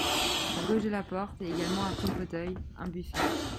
À gauche de la porte et également après le fauteuil, un buffet.